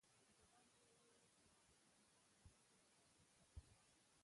جبار ته يې ووېل چې ولاړ شه نازنين دلته راوله.